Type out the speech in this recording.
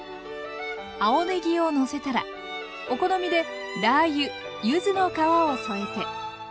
青ねぎをのせたらお好みでラー油柚子の皮を添えて。